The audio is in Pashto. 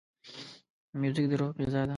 موزیک د روح غذا ده.